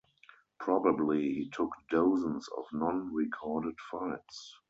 Probably, he took dozens of non recorded fights.